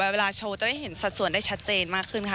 เวลาโชว์จะได้เห็นสัดส่วนได้ชัดเจนมากขึ้นค่ะ